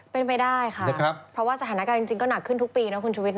เป็นไปได้ค่ะเพราะว่าสถานการณ์จริงก็หนักขึ้นทุกปีนะคุณชุวิต